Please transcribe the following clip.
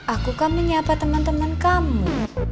aku kan menyapa temen temen kamu